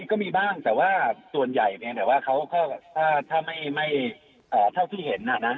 ก็มีบ้างแหละส่วนใหญ่เพียงถ้าไม่เท่าที่เห็น